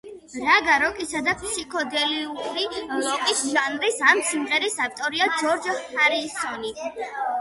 რაგა როკისა და ფსიქოდელიური როკის ჟანრის ამ სიმღერის ავტორია ჯორჯ ჰარისონი.